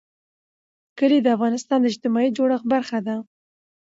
کلي د افغانستان د اجتماعي جوړښت برخه ده.